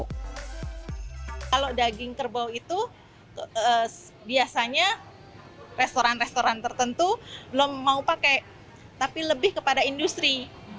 kalau daging kerbau itu biasanya restoran restoran tertentu belum mau pakai tapi lebih kepada industri